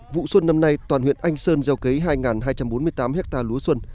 vụ xuân năm nay toàn huyện anh sơn gieo cấy hai hai trăm bốn mươi tám hectare lúa xuân